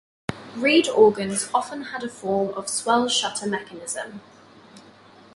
Reed organs often had a form of swell shutter mechanism.